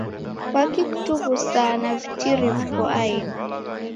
Kwaki kutughusaa na vitiri viko aeni?